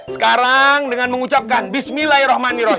sekarang dengan mengucapkan bismillahirrohmanirrohim